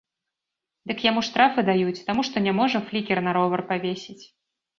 Дык яму штрафы даюць, таму што не можа флікер на ровар павесіць.